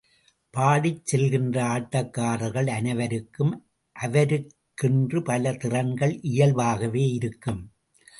பாடிச் செல்கின்ற ஆட்டக்காரர்கள் அனைவருக்கும் அவரவருக்கென்று பல திறன்கள் இயல்பாகவே இருக்கும்.